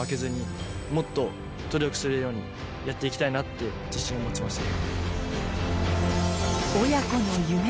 するようにやって行きたいなって自信を持ちましたね。